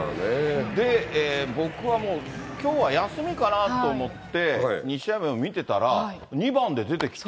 で、僕はもう、きょうは休みかなと思って、２試合目も見てたら、２番で出てきて。